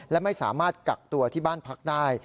และไม่สามารถกักตัวที่บ้านพักได้